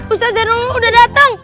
ustadz zanurul udah datang